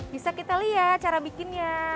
bisa kita lihat cara bikinnya